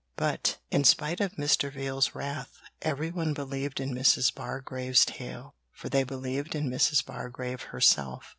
But, in spite of Mr. Veal's wrath, everyone believed in Mrs. Bargrave's tale, for they believed in Mrs. Bargrave herself.